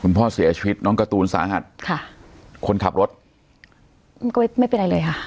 พ่อเสียชีวิตน้องการ์ตูนสาหัสค่ะคนขับรถก็ไม่เป็นไรเลยค่ะ